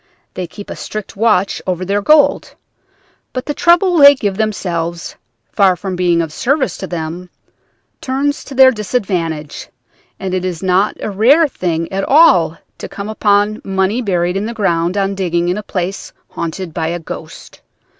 They keep a strict watch over their gold; but the trouble they give themselves, far from being of service to them, turns to their disadvantage; and it is not a rare thing at all to come upon money buried in the ground on digging in a place haunted by a ghost.